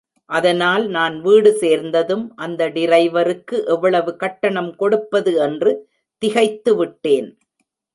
அதனால் நான் வீடு சேர்ந்ததும் அந்த டிரைவருக்ககு எவ்வளவு கட்டணம் கொடுப்பது என்று திகைத்து விட்டேன்.